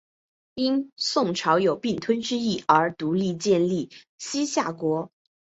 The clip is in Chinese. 因宋朝有并吞之意而独立建立西夏国。